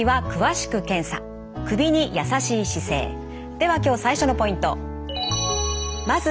では今日最初のポイント。